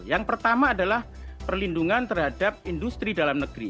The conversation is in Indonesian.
yang pertama adalah perlindungan terhadap industri dalam negeri